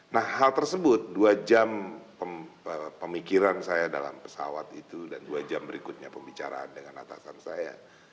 nah hal tersebut dua jam pemikiran saya dalam pesawat itu dan dua jam berikutnya pembicaraan dengan atasan saya